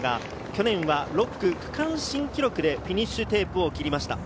去年は６区、区間新記録でフィニッシュテープを切りました。